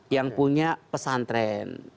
yang punya pesantren